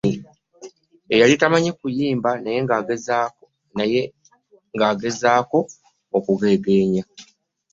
Yali tamanyi kuyimba naye nga agezaako okugeegenya.